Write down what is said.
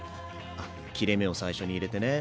あ切れ目を最初に入れてね。